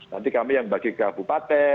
nanti kami yang bagi ke bupaten